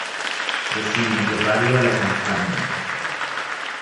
Deciden llevarlo a La Compañía.